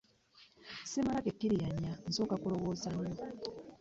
Ssimala gekkiriranya, nsooka kulowooza nnyo.